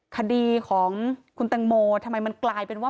คดีของคุณแตงโมทำไมมันกลายเป็นว่า